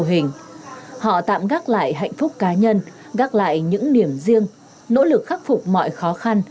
hình họ tạm gác lại hạnh phúc cá nhân gác lại những điểm riêng nỗ lực khắc phục mọi khó khăn